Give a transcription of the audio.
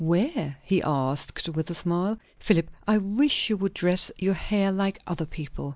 "Where?" he asked, with a smile. "Philip, I wish you would dress your hair like other people."